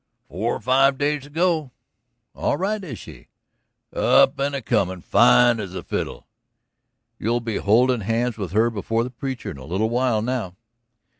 "Four or five days ago." "All right, is she?" "Up and a comin', fine as a fiddle." "You'll be holdin' hands with her before the preacher in a little while now."